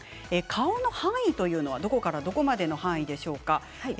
顔の範囲というのはどこからどこまででしょうか。